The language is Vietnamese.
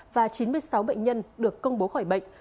và chín mươi sáu bệnh nhân được công bố khỏi bệnh